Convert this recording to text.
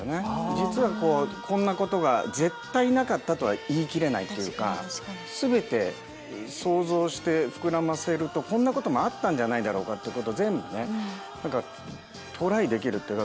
実はこうこんなことが絶対なかったとは言い切れないっていうか全て想像して膨らませるとこんなこともあったんじゃないだろうかっていうことを全部ね何かトライできるっていうか